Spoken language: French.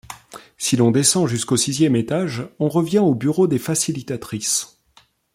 Si l’on descend jusqu’au sixième étage, on revient aux bureaux des facilitatrices.